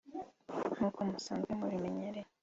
nk’uko musanzwe mubimenyereye